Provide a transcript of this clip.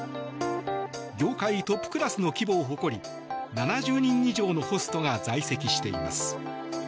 業界トップクラスの規模を誇り７０人以上のホストが在籍しています。